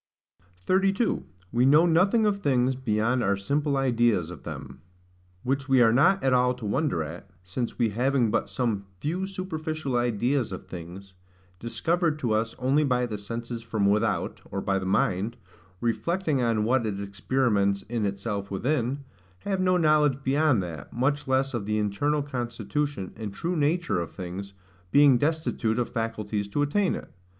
32. We know nothing of things beyond our simple Ideas of them. Which we are not at all to wonder at, since we having but some few superficial ideas of things, discovered to us only by the senses from without, or by the mind, reflecting on what it experiments in itself within, have no knowledge beyond that, much less of the internal constitution, and true nature of things, being destitute of faculties to attain it.